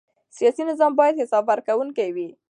سیاسي نظام باید حساب ورکوونکی وي